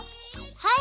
はい！